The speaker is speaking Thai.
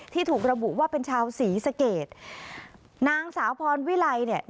ถูกระบุว่าเป็นชาวศรีสเกตนางสาวพรวิไลเนี่ย